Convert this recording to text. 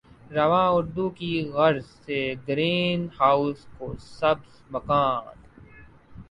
رواں اردو کی غرض سے گرین ہاؤس کو سبز مکان